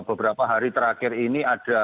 beberapa hari terakhir ini ada